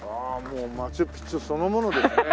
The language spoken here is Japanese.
ああもうマチュピチュそのものですね。